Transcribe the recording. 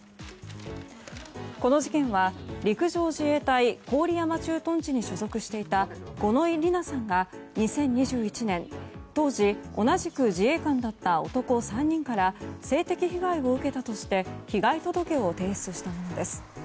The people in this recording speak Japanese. この事件は陸上自衛隊郡山駐屯地に所属していた五ノ井里奈さんが２０２１年、当時同じく自衛官だった男３人から性的被害を受けたとして被害届を提出したものです。